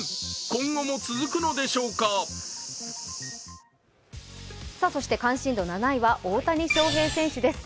今後も続くのでしょうかそして関心度７位は大谷翔平選手です。